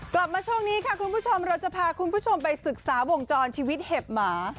กลับมาช่วงนี้ค่ะคุณผู้ชมเราจะพาคุณผู้ชมไปศึกษาวงจรชีวิตเห็บหมา